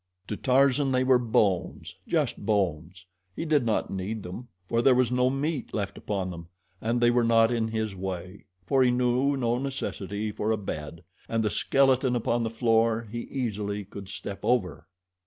To Tarzan they were bones just bones. He did not need them, for there was no meat left upon them, and they were not in his way, for he knew no necessity for a bed, and the skeleton upon the floor he easily could step over.